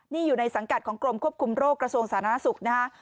นี่อยู่ในสังกัดของกรมควบคุมโรคกระทรวงสาธารณสุขนะฮะ